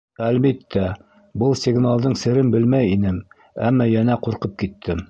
Әлбиттә, был сигналдың серен белмәй инем, әммә йәнә ҡурҡып киттем.